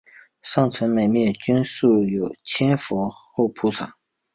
上层每面均塑有千佛或菩萨。